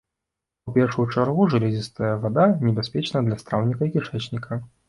У першую чаргу жалезістая вада небяспечная для страўніка і кішэчніка.